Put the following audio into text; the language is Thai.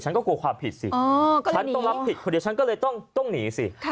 ก็กลัวความผิดสิฉันต้องรับผิดคนเดียวฉันก็เลยต้องหนีสิ